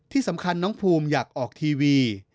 ที่สำคัญน้องภูมิอยากออกทีวี